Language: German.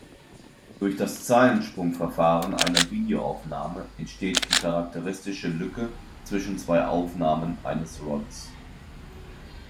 Durch das Zeilensprungverfahren einer Videoaufnahme entsteht die charakteristische Lücke zwischen zwei Aufnahmen eines Rods.